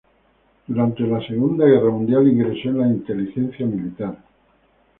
Durante la Segunda Guerra Mundial ingresó en la inteligencia militar.